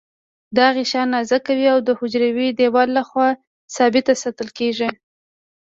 دا غشا نازکه وي او د حجروي دیوال له خوا ثابته ساتل کیږي.